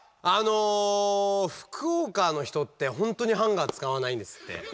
あの福岡の人ってほんとにハンガー使わないんですって。